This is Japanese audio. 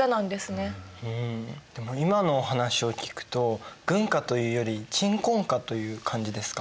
今のお話を聞くと軍歌というより鎮魂歌という感じですか。